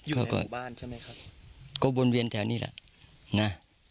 ก็เปิดบ้านใช่ไหมครับก็วนเวียนแถวนี้แหละนะ